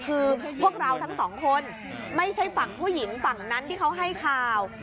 คือพวกเราทั้งสองคนไม่ใช่ฝั่งผู้หญิงฝั่งนั้นที่เขาให้ข่าว